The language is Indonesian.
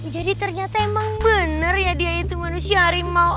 jadi ternyata emang bener ya dia itu manusia harimau